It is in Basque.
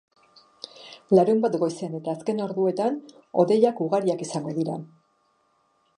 Larunbat goizean eta azken orduetan hodeiak ugariak izango dira.